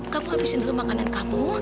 kamu habisin dulu makanan kamu